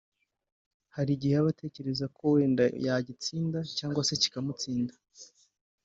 hari igihe aba atekereza ko wenda agitsinda cyangwa se kikamutsinda